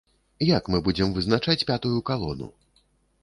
Як мы будзем вызначаць пятую калону?